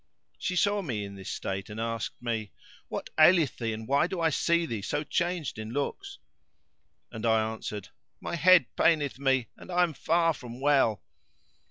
She saw me in this state and asked me, "What aileth thee and why do I see thee so changed in looks?"; and I answered, "My head paineth me and I am far from well."